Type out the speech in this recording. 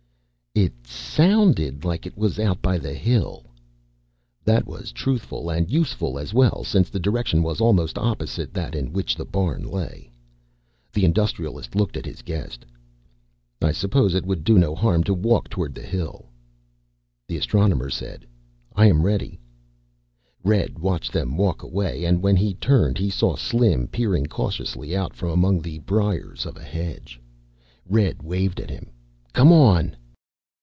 "It sounded like it was out by the hill." That was truthful, and useful as well, since the direction was almost opposite that in which the barn lay. The Industrialist looked at his guest. "I suppose it would do no harm to walk toward the hill." The Astronomer said, "I am ready." Red watched them walk away and when he turned he saw Slim peering cautiously out from among the briars of a hedge. Red waved at him. "Come on."